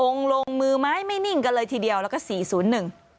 ลงมือไม้ไม่นิ่งกันเลยทีเดียวแล้วก็สี่ศูนย์หนึ่ง